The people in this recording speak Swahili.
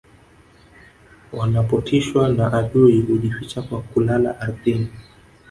wanapotishwa na adui hujificha kwa kulala ardhini